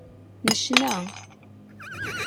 Necna.